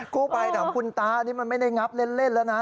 กู้ภัยถามคุณตานี่มันไม่ได้งับเล่นแล้วนะ